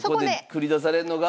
繰り出されるのが。